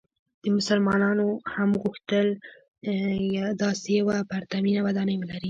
مسلمانانو هم وغوښتل داسې یوه پرتمینه ودانۍ ولري.